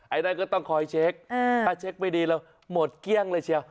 ไอ้นั้นก็ต้องคอยเช็กเออถ้าเช็กไม่ดีแล้วหมดเกี้ยงเลยเชียว